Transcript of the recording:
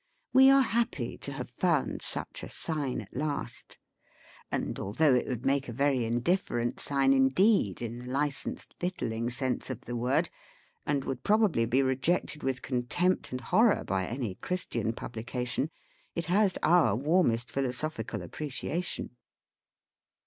We are happy to have found such a sign at last ; and although it would make a very indifferent sign, indeed, in the Licensed Victualling sense of the word, and would probably be rejected with contempt and horror by any Christian pub lican, it has our warmest philosophical appreciation.